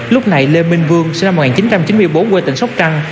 lúc này lê minh vương sinh năm một nghìn chín trăm chín mươi bốn quê tỉnh sóc trăng